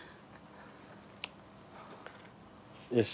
よし。